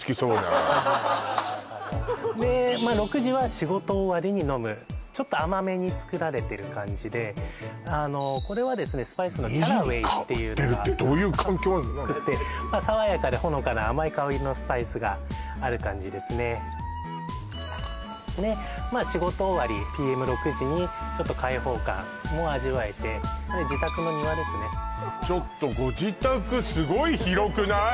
はいはいはいでまっ６時は仕事終わりに飲むちょっと甘めに作られてる感じでこれはですねスパイスのキャラウェイっていうのが２時に買ってるってどういう環境作って爽やかでほのかな甘い香りのスパイスがある感じですねでまあ仕事終わりｐｍ６：００にちょっと解放感も味わえてこれ自宅の庭ですねちょっとご自宅すごい広くない？